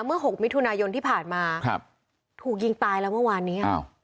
๖มิถุนายนที่ผ่านมาครับถูกยิงตายแล้วเมื่อวานนี้